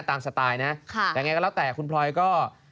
สไตล์นะยังไงก็แล้วแต่คุณพลอยก็